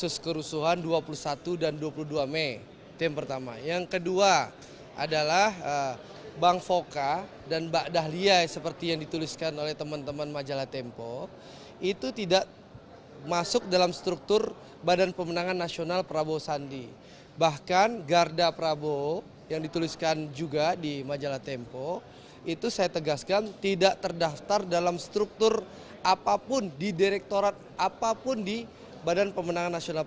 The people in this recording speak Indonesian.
saya tegaskan juga di majalah tempo itu saya tegaskan tidak terdaftar dalam struktur apapun di direktorat apapun di bpn